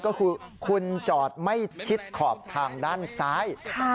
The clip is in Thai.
ก็คือคุณจอดไม่ชิดขอบทางด้านซ้าย